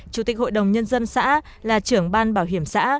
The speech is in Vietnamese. chủ tịch hội đồng nhân dân xã là trưởng ban bảo hiểm xã